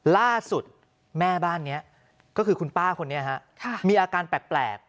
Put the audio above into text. ล่าสุดแม่บ้านนี้ก็คือคุณป้าคนนี้ฮะมีอาการแปลก